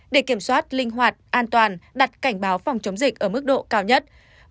để kiểm soát linh hoạt an toàn đặt cảnh báo phòng chống dịch ở mức độ cao nhất